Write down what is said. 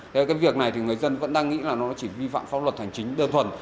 thế cái việc này thì người dân vẫn đang nghĩ là nó chỉ vi phạm pháp luật hành chính đơn thuần